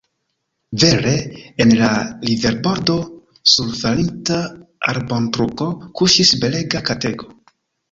Vere, en la riverbordo, sur falinta arbotrunko kuŝis belega katego.